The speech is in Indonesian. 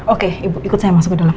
oke ibu ikut saya masuk ke dulu